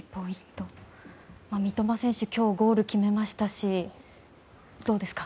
三笘選手、今日ゴールを決めましたし、どうですか。